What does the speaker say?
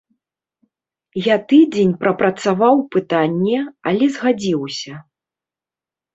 Я тыдзень прапрацаваў пытанне, але згадзіўся.